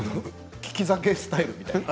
利き酒スタイルみたいな。